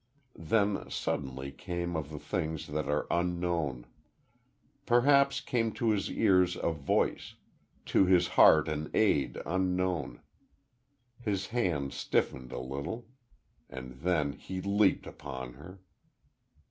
Then, suddenly, came of the things that are Unknown. Perhaps came to his ears a voice to his heart an aid unknown.... His hands stiffened a little.... And then he leaped upon her.